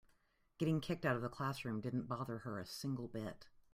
Getting kicked out of the classroom didn't bother her a single bit.